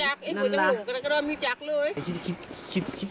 จักไอ้กูจะหลงกันแล้วก็เริ่มจักเลย